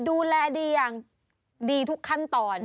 ดูแลดีอย่างดีทุกขั้นตอน